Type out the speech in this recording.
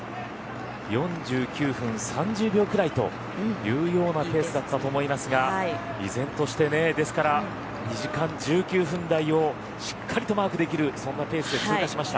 ４９分３０秒くらいというペースだったと思いますが依然としてですから２時間１９分台をしっかりとマークできるそんなペースで通過しました。